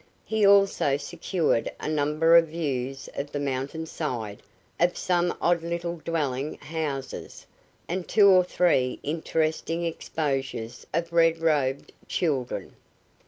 He also secured a number of views of the mountain side, of some odd little dwelling houses, and two or three interesting exposures of red robed children.